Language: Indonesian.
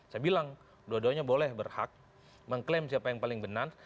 saya bilang dua duanya boleh berhak mengklaim siapa yang paling benar